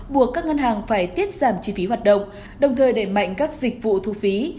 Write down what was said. buộc các ngân hàng phải tiết giảm chi phí hoạt động đồng thời đẩy mạnh các dịch vụ thu phí